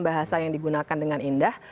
bahasa yang digunakan dengan indah